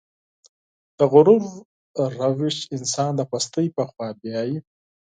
د غرور روش انسان د پستۍ په خوا بيايي.